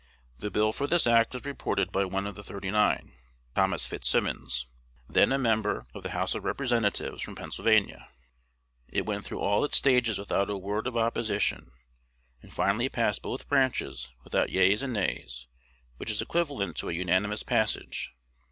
The bill for this act was reported by one of the "thirty nine," Thomas Fitzsimmons, then a member of the House of Representatives from Pennsylvania. It went through all its stages without a word of opposition, and finally passed both branches without yeas and nays, which is equivalent to a unanimous passage.